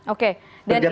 oke dan itu